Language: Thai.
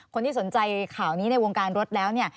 คนที่สนใจข่าวนี้ในวงการรถแล้วเนี่ย